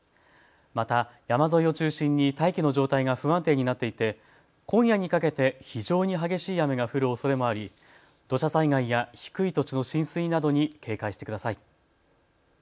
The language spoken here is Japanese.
また、山沿いを中心に大気の状態が不安定になっていて今夜にかけて非常に激しい雨が降るおそれもあり、土砂災害や低い土地の浸水などに警戒してください。